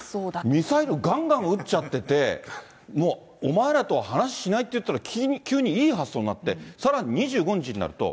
ミサイルをがんがん撃っちゃってて、もうお前らとは話しないって言ったのに、急にいい発想になって、さらに２５日になると。